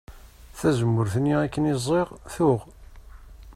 Tazemmurt-nni akken i ẓẓiɣ tuɣ.